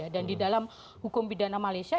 dan di dalam hukum pidana malaysia